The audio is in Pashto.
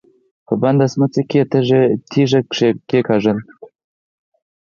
په بنده سمڅه کې يې تيږه کېکاږله.